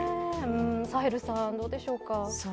サヘルさん、どうでしょうか。